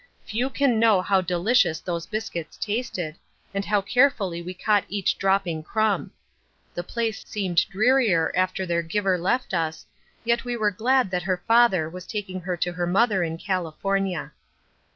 Few can know how delicious those biscuits tasted, and how carefully we caught each dropping crumb. The place seemed drearier after their giver left us, yet we were glad that her father was taking her to her mother in California.